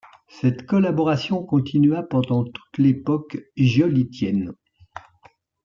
Cette collaboration continua pendant toute l’époque |giolittienne.